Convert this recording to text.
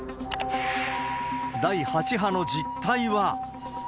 第８波の実態は。